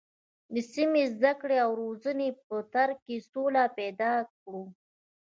د سمې زده کړې او روزنې په تر کې سوله پیدا کړو.